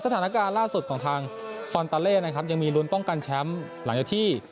สถานการณ์ล่าสุดของทางฟอนตาเล่นะครับยังมีลุ้นป้องกันแชมป์หลังจากที่